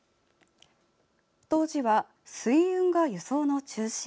当時は水運が輸送の中心。